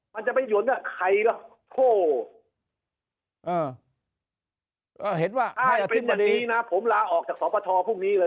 มันจะไปหยวนกับใครล่ะโถเห็นว่าถ้าเป็นอย่างนี้นะผมลาออกจากสปทพรุ่งนี้เลย